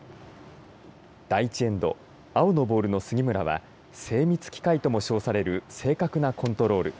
第１エンド青のボールの杉村は精密機械とも称される正確なコントロール。